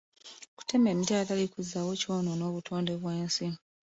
Okutema emiti awatali kuzzaawo kyonoona obutonde bw'ensi.